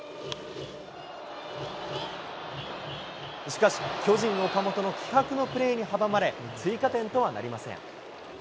しかし、巨人、岡本の気迫のプレーに阻まれ、追加点とはなりません。